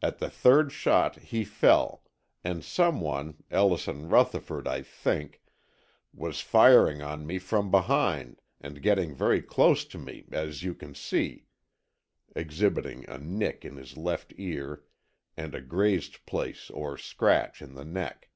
At the third shot he fell, and some one, Ellison Rutherford, I think, was firing on me from behind, and getting very close to me, as you can see" (exhibiting a nick in his left ear and a grazed place or scratch in the neck).